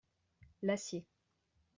L’acier.